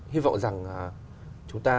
hi vọng rằng chúng ta